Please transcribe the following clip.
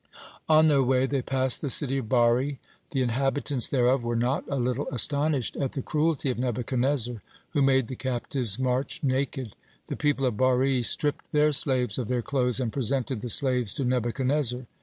On their way, they passed the city of Bari. (47) The inhabitants thereof were not a little astonished at the cruelty of Nebuchadnezzar, who made the captives march naked. The people of Bari stripped their slaves of their clothes, and presented the slaves to Nebuchadnezzar.